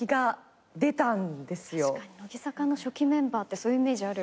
確かに乃木坂の初期メンバーってそういうイメージある。